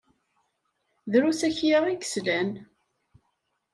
Drus akya i yeslan.